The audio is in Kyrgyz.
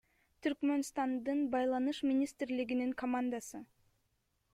Түркмөнстандын Байланыш министрлигинин командасы.